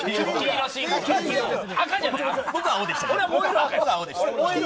僕、青でした。